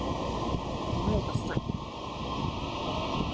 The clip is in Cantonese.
頂你個肺！